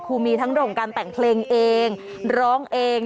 ครูมีทั้งโรงการแต่งเพลงเองร้องเอง